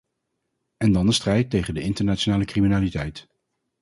En dan de strijd tegen de internationale criminaliteit.